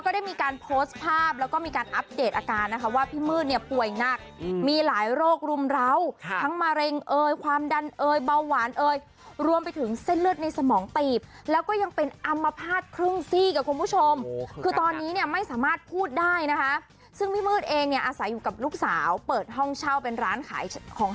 ได้มีการโพสต์ภาพแล้วก็มีการอัปเดตอาการนะคะว่าพี่มืดเนี่ยป่วยหนักมีหลายโรครุมร้าวทั้งมะเร็งเอยความดันเอยเบาหวานเอยรวมไปถึงเส้นเลือดในสมองตีบแล้วก็ยังเป็นอัมพาตครึ่งซีกกับคุณผู้ชมคือตอนนี้เนี่ยไม่สามารถพูดได้นะคะซึ่งพี่มืดเองเนี่ยอาศัยอยู่กับลูกสาวเปิดห้องเช่าเป็นร้านขายของ